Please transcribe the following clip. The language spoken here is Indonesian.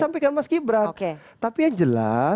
sampaikan mas gibran tapi yang jelas